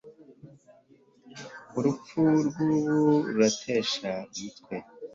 Urupfu rwubu ruratesha umutwe